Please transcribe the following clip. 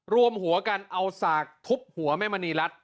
รวมหัวกันเอาสากทุบหัวแม่มณีรัฐ